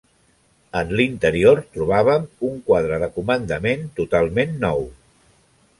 En l'interior trobàvem un quadre de comandament totalment nou.